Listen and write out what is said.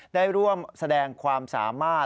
ได้ร่วมแสดงความสามารถ